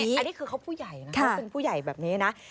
อันนี้คือเขาผู้ใหญ่นะเขาเป็นผู้ใหญ่แบบนี้นะ